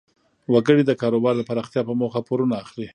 وګړي د کاروبار د پراختیا په موخه پورونه اخلي.